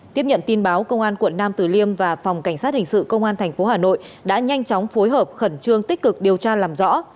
tiếp nhận tin báo công an quận nam tử liêm và phòng cảnh sát hình sự công an tp hà nội đã nhanh chóng phối hợp khẩn trương tích cực điều tra làm rõ